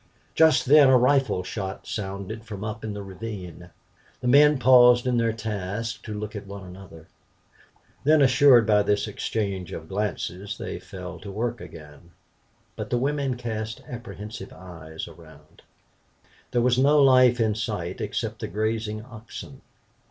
Just then a rifle shot sounded from up in the ravine. The men paused in their tasks and looked at one another. Then reassured by this exchange of glances, they fell to work again. But the women cast apprehensive eyes around. There was no life in sight except the grazing oxen.